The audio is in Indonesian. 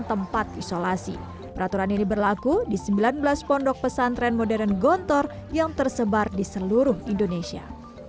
tempat isolasi peraturan ini berlaku di sembilan belas pondok pesantren modern gontor yang tersebar di seluruh indonesia